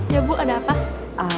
ya bu ada apa